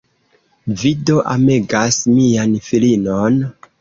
Vi do amegas mian filinon?